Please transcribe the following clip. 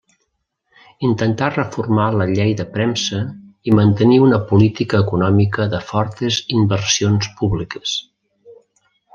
Intentà reformar la llei de premsa i mantenir una política econòmica de fortes inversions públiques.